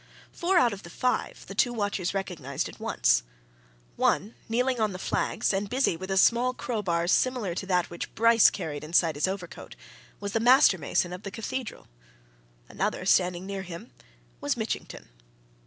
Four out of the five the two watchers recognized at once. One, kneeling on the flags, and busy with a small crowbar similar to that which Bryce carried inside his overcoat, was the master mason of the cathedral. Another, standing near him, was Mitchington.